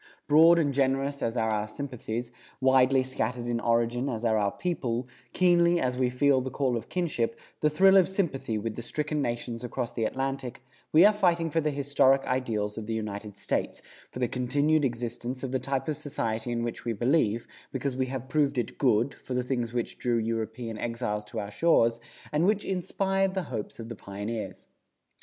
Broad and generous as are our sympathies, widely scattered in origin as are our people, keenly as we feel the call of kinship, the thrill of sympathy with the stricken nations across the Atlantic, we are fighting for the historic ideals of the United States, for the continued existence of the type of society in which we believe, because we have proved it good, for the things which drew European exiles to our shores, and which inspired the hopes of the pioneers.